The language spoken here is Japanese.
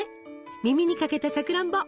耳にかけたさくらんぼ！